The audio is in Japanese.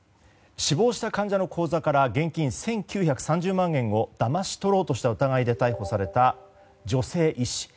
死亡した患者の口座から現金１９３０万円をだまし取ろうとした疑いで逮捕された女性医師。